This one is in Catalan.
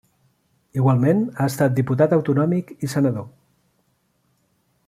Igualment ha estat diputat autonòmic i senador.